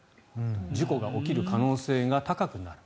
事故が起きる可能性が高くなる。